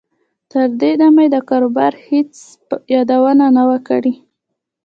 تر دې دمه یې د کاروبار هېڅ یادونه نه وه کړې